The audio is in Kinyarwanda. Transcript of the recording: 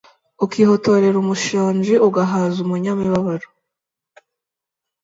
ukihotorera umushonji, ugahaza umunyamibabaro.